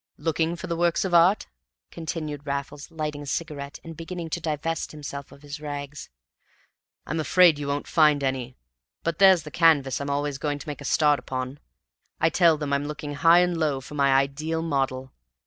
"Looking for the works of art?" continued Raffles, lighting a cigarette and beginning to divest himself of his rags. "I'm afraid you won't find any, but there's the canvas I'm always going to make a start upon. I tell them I'm looking high and low for my ideal model.